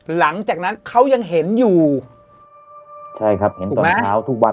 หลังจากนั้นเขายังเห็นอยู่ใช่ครับเห็นตอนเช้าทุกวัน